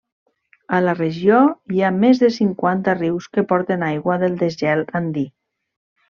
A la regió hi ha més de cinquanta rius que porten aigua del desgel andí.